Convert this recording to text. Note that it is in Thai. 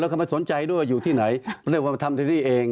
แล้วก็ไม่สนใจด้วยอยู่ที่ไหนเรียกว่ามาทำที่นี่เอง